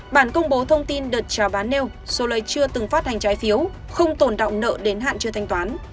bản công bố thông tin đợt trào bán nêu soleil chưa từng phát hành trái phiếu không tổn động nợ đến hạn chưa thanh toán